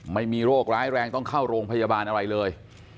ไม่มีโรคร้ายแรงต้องเข้าโรงพยาบาลอะไรเลย